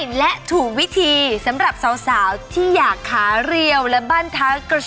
มันไม่ได้ผลก็เพราะว่ามันผิดวิธีไงรู้ไหมว่าการออกกำลังกายแบบผิดวิธีเนี่ยนะอาจจะทำให้เดี้ยงก็ได้นะเธอสะบัดไปสะบัดบานเดินอย่างงี้เลย